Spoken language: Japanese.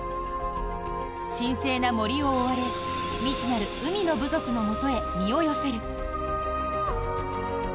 神聖な森を追われ未知なる海の部族のもとへ身を寄せる。